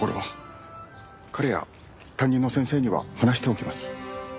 彼や担任の先生には話しておきます。